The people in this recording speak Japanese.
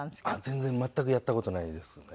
全然全くやった事ないですね。